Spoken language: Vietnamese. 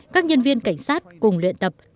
các nhân viên cảnh sát cùng luyện tập